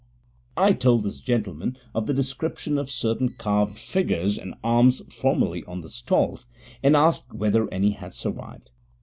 I told this gentleman of the description of certain carved figures and arms formerly on the stalls, and asked whether any had survived.